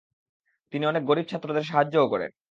তিনি অনেক গরীব ছা্ত্রদের সাহায্যও করেন ।